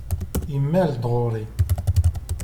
Imal-d ɣur-i.